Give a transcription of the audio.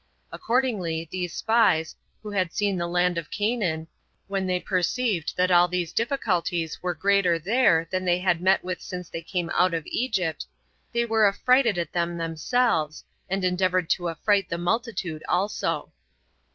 Accordingly these spies, who had seen the land of Canaan, when they perceived that all these difficulties were greater there than they had met with since they came out of Egypt, they were affrighted at them themselves, and endeavored to affright the multitude also.